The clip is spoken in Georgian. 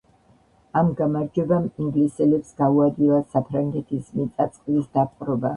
ამ გამარჯვებამ ინგლისელებს გაუადვილა საფრანგეთის მიწა-წყლის დაპყრობა.